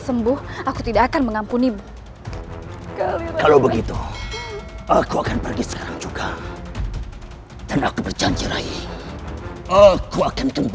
sembuh aku tidak akan mengampuni kalau begitu aku akan pergi sekarang juga dan aku pergi ke rumahmu